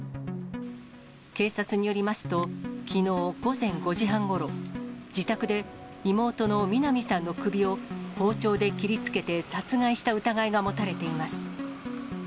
警察によりますと、きのう午前５時半ごろ、自宅で妹のみな美さんの首を包丁で切りつけて殺害した疑いが持たれています。